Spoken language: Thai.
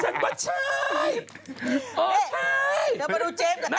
จากกระแสของละครกรุเปสันนิวาสนะฮะ